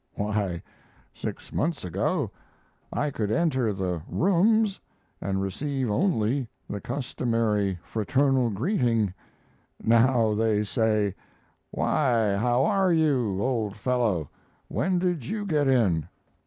Why, six months ago, I could enter the "Rooms," and receive only the customary fraternal greeting now they say, "Why, how are you, old fellow when did you get in?"